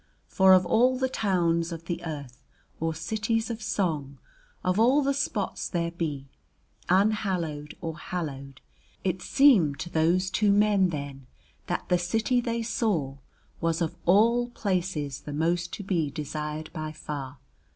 For of all the towns of the earth or cities of song; of all the spots there be, unhallowed or hallowed, it seemed to those two men then that the city they saw was of all places the most to be desired by far.